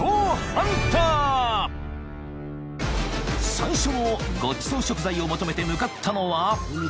［最初のごちそう食材を求めて向かったのは］